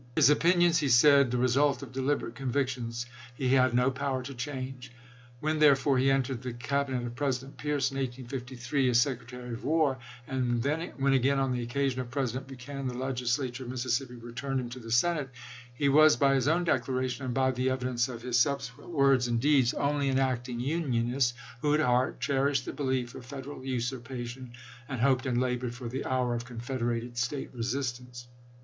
" His opinions," he said, " the result of deliberate convictions, he had no power to change." When, therefore, he entered the Cab inet of President Pierce in 1853 as Secretary of War, and when again on the accession of President Buchanan the Legislature of Mississippi returned him to the Senate, he was, by his own declaration, and by the evidence of his subsequent words and deeds, only an acting Unionist, who at heart cher ished the belief of Federal usurpation, and hoped and labored for the hour of confederated State resistance.